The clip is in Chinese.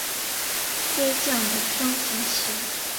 飞将的升级棋。